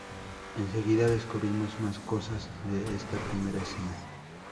Enseguida descubrimos más cosas de esta primera escena.